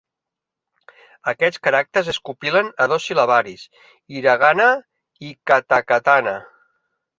Aquests caràcters es compilen a dos sil·labaris: "hiragana" i "katakatana".